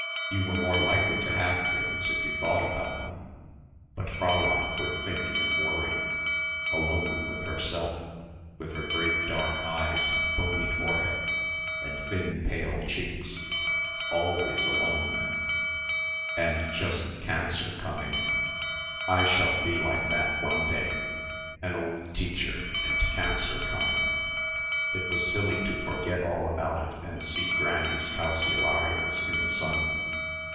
You were more likely to have things if you thought about them. But Fräulein would think and worry ... alone with herself ... with her great dark eyes and bony forehead and thin pale cheeks ... always alone, and just cancer coming ... I shall be like that one day ... an old teacher and cancer coming. It was silly to forget all about it and see Granny's calceolarias in the sun